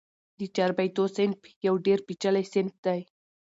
د چاربیتو صنف یو ډېر پېچلی صنف دئ.